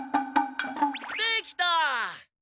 できた！